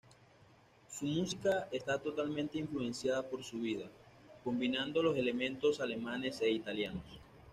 Su música está totalmente influenciada por su vida, combinando los elementos alemanes e italianos.